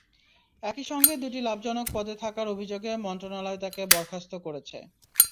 একই সঙ্গে দুটি লাভজনক পদে থাকার অভিযোগে মন্ত্রণালয় তাঁকে বরখাস্ত করেছে।